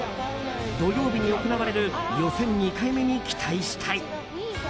土曜日に行われる予選２回目に期待したい。